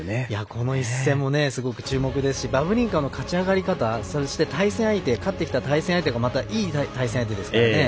この一戦も注目ですしバブリンカも勝ち上がり勝ってきた対戦相手もまたいい対戦相手ですからね。